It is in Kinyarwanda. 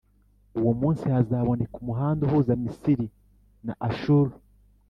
Uwo munsi hazaboneka umuhanda uhuza Misiri na Ashuru,